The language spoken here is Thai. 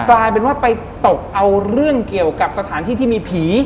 กลายเป็นว่าไปตกเอาเรื่องเกี่ยวกับสถานที่ที่มีผี